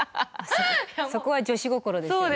そこは女子心ですね。